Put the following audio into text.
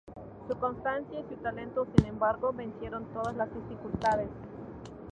Su constancia y su talento, sin embargo, vencieron todas las dificultades.